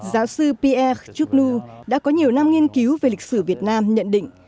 giáo sư pierre chouk nu đã có nhiều năm nghiên cứu về lịch sử việt nam nhận định